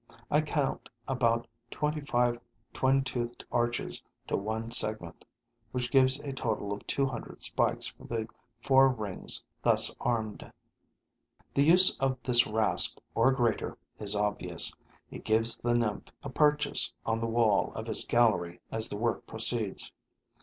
I count about twenty five twin toothed arches to one segment, which gives a total of two hundred spikes for the four rings thus armed. The use of this rasp, or grater, is obvious: it gives the nymph a purchase on the wall of its gallery as the work proceeds.